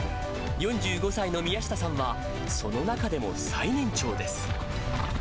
４５歳の宮下さんは、その中でも最年長です。